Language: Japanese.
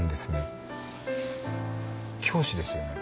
教師ですよね？